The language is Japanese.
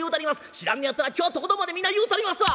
知らんねやったら今日はとことんまで皆言うたりますわ！」。